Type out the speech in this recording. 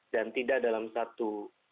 dan tidak dalam satu